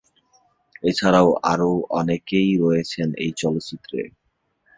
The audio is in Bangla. এছাড়াও আরও অনেকেই রয়েছেন এই চলচ্চিত্রে।